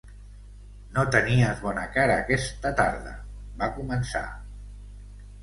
No tenies bona cara aquesta tarda, va començar.